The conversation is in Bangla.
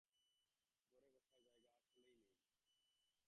ঘরে বসার জায়গা আসলেই নেই।